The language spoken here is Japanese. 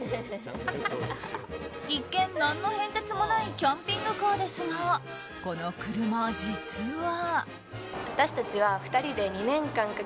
一見、何の変哲もないキャンピングカーですがこの車、実は。